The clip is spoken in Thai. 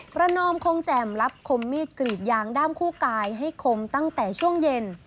นอมคงแจ่มรับคมมีดกรีดยางด้ามคู่กายให้คมตั้งแต่ช่วงเย็น